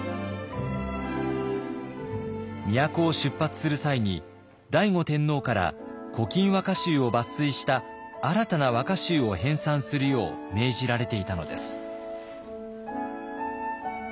都を出発する際に醍醐天皇から「古今和歌集」を抜粋した新たな和歌集を編さんするよう命じられていたのです。